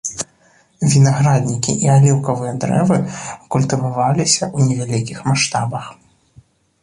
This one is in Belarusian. Вінаграднікі і аліўкавыя дрэвы культываваліся ў невялікіх маштабах.